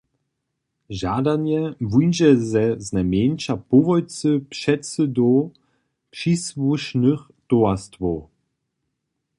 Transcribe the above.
Žadanje wuńdźe ze znajmjeńša połojcy předsydow přisłušnych towarstwow.